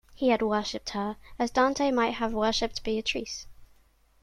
He had worshiped her, as Dante might have worshiped Beatrice.